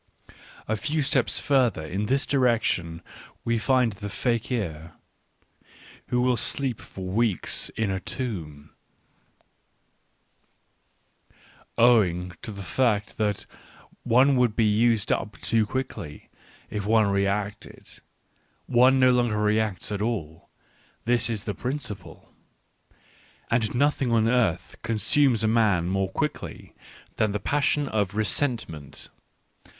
A few steps farther in this direction we find the fakir, who will sleep for weeks in a tomb Owing to the fact that one would be used up too quickly if one reacted, one no longer reacts at all : this is the principle. And nothing on earth consumes a man more quickly than the passion of resentment.